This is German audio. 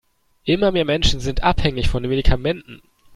Immer mehr Menschen sind abhängig von Medikamenten.